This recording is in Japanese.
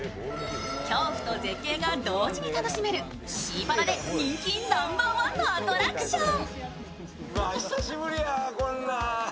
恐怖と絶景が同時に楽しめる、シーパラで人気ナンバーワンのアトラクション。